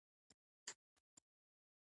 د کورنۍ غړي سترګو ته راغلل.